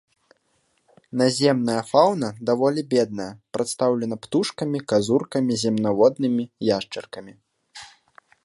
Наземная фаўна даволі бедная, прадстаўлена птушкамі, казуркамі, земнаводнымі, яшчаркамі.